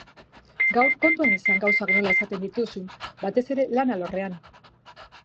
Gaur kontuan izan gauzak nola esaten dituzun, batez ere, lan alorrean.